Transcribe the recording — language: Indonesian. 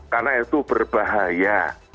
karena itu berbahaya